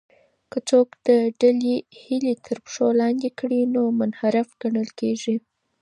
که څوک د ډلې هیلې تر پښو لاندې کړي نو منحرف ګڼل کیږي.